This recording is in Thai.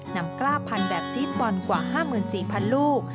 นำกล้าพันธุ์แบบซีสปอนด์กว่า๕๔๐๐๐ลูก